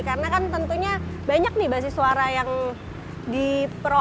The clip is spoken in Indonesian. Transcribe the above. karena kan tentunya banyak nih bahasa suara yang diperoleh